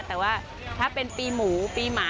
แต่ว่าถ้าเป็นปีหมูปีหมา